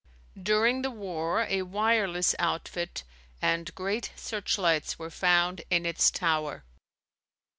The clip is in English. During the war a wireless outfit and great searchlights were found in its tower.